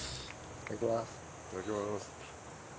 いただきます。